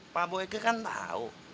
pak boyka kan tahu